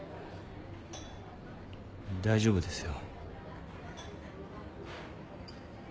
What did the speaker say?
大丈夫ですよ。